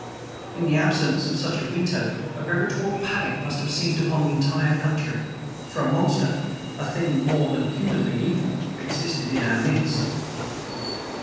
In the absence of such a veto a veritable panic must have seized upon the entire country; for a monster a thing more than humanly evil existed in our midst.